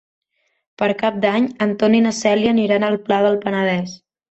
Per Cap d'Any en Ton i na Cèlia aniran al Pla del Penedès.